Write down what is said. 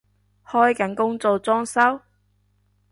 開緊工做裝修？